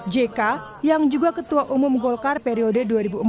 jk yang juga ketua umum golkar periode dua ribu empat belas dua ribu